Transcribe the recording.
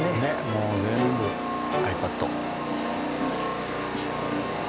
もう全部ｉＰａｄ。